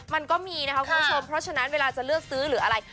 มันก็มีนะคะคุณผู้ชมเพราะฉะนั้นเวลาจะเลือกซื้อหรืออะไร